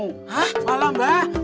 hah malah mbak